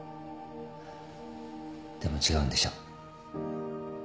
でも違うんでしょ。